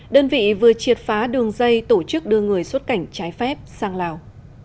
đơn vị vừa triệt phá đường dây tổ chức đưa người xuất cảnh trái phép sang lào